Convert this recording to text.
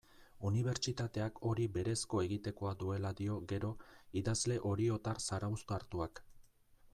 Unibertsitateak hori berezko egitekoa duela dio gero idazle oriotar zarauztartuak.